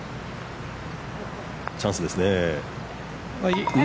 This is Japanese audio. チャンスですね。